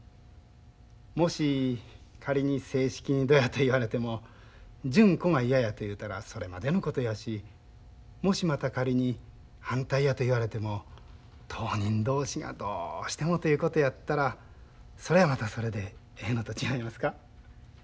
もし仮に正式にどうやと言われても純子が嫌やと言うたらそれまでのことやしもしまた仮に反対やと言われても当人同士がどうしてもということやったらそれはまたそれでええのと違いますか。